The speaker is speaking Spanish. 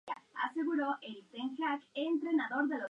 Más tarde, Magma es atacada por Selene, que quiere verla muerta.